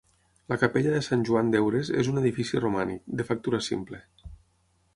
La capella de Sant Joan d'Heures és un edifici romànic, de factura simple.